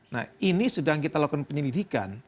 nah ini sedang kita lakukan penyelidikan